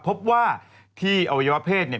พบว่าที่อวัยวะเพศเนี่ย